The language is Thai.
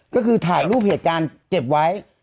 ก็คือถ่ายรูปเหตุการณ์เก็บไว้